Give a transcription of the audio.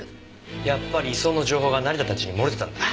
やっぱり移送の情報は成田たちに漏れてたんだ。